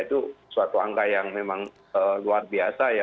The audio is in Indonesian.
itu suatu angka yang memang luar biasa ya